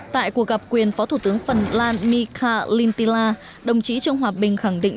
tại cuộc gặp quyền phó thủ tướng phần lan mika lintila đồng chí trương hòa bình khẳng định